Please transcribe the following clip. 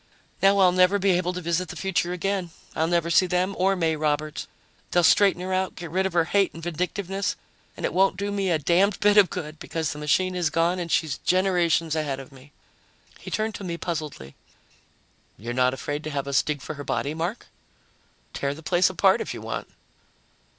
Now I'll never be able to visit the future again. I'll never see them or May Roberts. They'll straighten her out, get rid of her hate and vindictiveness, and it won't do me a damned bit of good because the machine is gone and she's generations ahead of me." He turned to me puzzledly. "You're not afraid to have us dig for her body, Mark?" "Tear the place apart if you want."